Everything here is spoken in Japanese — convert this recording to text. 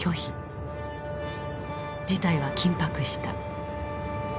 事態は緊迫した。